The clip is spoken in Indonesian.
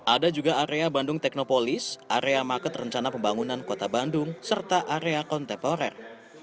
ada juga area bandung teknopolis area market rencana pembangunan kota bandung serta area kontemporer